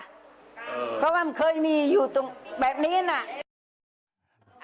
เพราะว่ามันเคยมีอยู่ตรงแบบนี้น่ะ